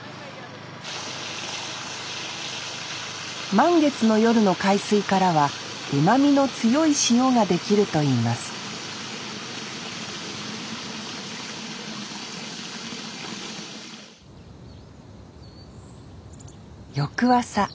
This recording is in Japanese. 満月の夜の海水からはうまみの強い塩が出来るといいます翌朝。